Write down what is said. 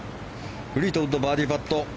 フリートウッドバーディーパット。